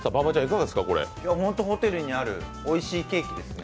本当、ホテルにあるおいしいケーキですね。